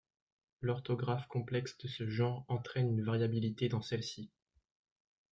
L'orthographe complexe de ce genre entraine une variabilité dans celle-ci.